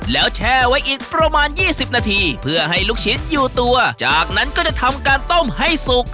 แล้วแช่ไว้อีกประมาณยี่สิบนาทีเพื่อให้ลูกชิ้นอยู่ตัวจากนั้นก็จะทำการต้มให้สุก